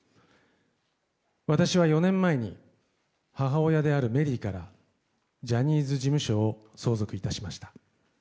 私は４年前に母親であるメリーからジャニーズ事務所を相続いたしました。